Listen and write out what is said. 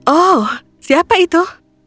oh siapa itu